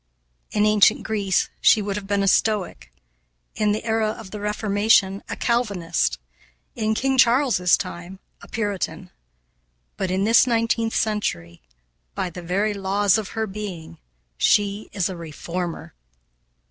In ancient Greece she would have been a Stoic; in the era of the Reformation, a Calvinist; in King Charles' time, a Puritan; but in this nineteenth century, by the very laws of her being, she is a Reformer.